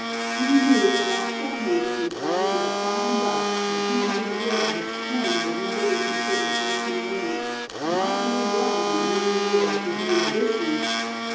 He knew that while Step Hen was entitled to that fine buck, the chances were his claim would never be considered for a single minute. Might made right in the Maine woods, with men of this stamp.